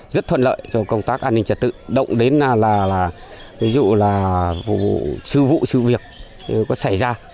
rất thuận lợi cho công tác an ninh trật tự động đến là ví dụ là vụ sư vụ sư việc có xảy ra